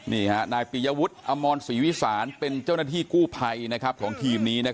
นายปียวุฒิอมรศรีวิสานเป็นเจ้าหน้าที่กู้ภัยของทีมนี้